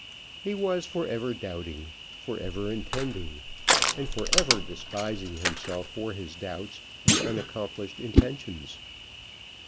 He was for ever doubting, for ever intending, and for ever despising himself for his doubts and unaccomplished intentions.